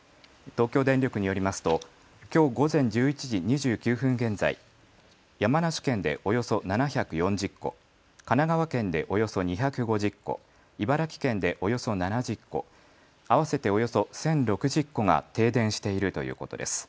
東京電力によりますときょう午前１１時２９分現在、山梨県でおよそ７４０戸、神奈川県でおよそ２５０戸、茨城県でおよそ７０戸、合わせておよそ１０６０戸が停電しているということです。